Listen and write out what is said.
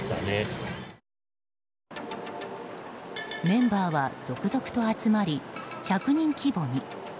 メンバーは続々と集まり１００人規模に。